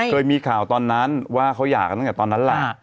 เคยมีข่าวตอนนั้นว่าเขาหย่ากันตั้งแต่ตอนนั้นแหละ